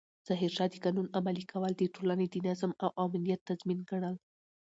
ظاهرشاه د قانون عملي کول د ټولنې د نظم او امنیت تضمین ګڼل.